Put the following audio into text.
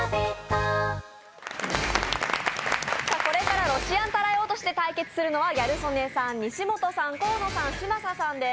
これからロシアンたらい落としで対決するのはギャル曽根さん、西本さん河野さん、嶋佐さんです。